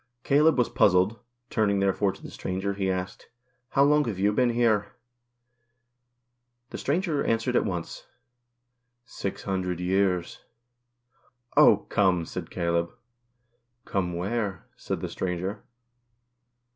Caleb was puzzled; turning therefore, to the stranger, he asked "How long have you been here?" The stranger answered at once " Six hun dred years." " Oh ! come !" said Caleb. " Come where ?" said the stranger.